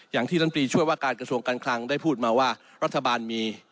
อย่างที่ลำตรีช่วยว่าการกระทรวงการคลังได้พูดมาว่ารัฐบาลมี